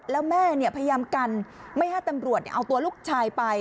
แล้วแม่พยายามกันไม่ให้ตำรวจเอาตัวลูกชายไป